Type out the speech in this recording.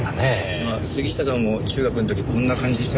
あっ杉下さんも中学の時こんな感じでした？